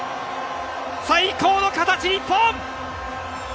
最高の形、日本。